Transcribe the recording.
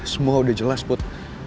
semua udah jelas put